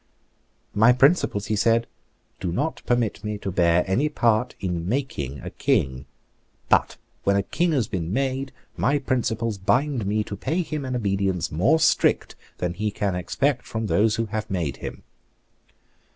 "My principles," he said, "do not permit me to bear any part in making a King. But when a King has been made, my principles bind me to pay him an obedience more strict than he can expect from those who have made him."